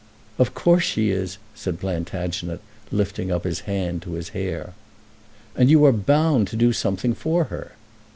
"Of course she is," said Plantagenet, lifting up his hand to his hair. "And you are bound to do something for her."